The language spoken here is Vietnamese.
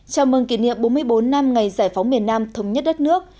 chào mừng kỷ niệm bốn mươi bốn năm ngày giải phóng miền nam thống nhất đất nước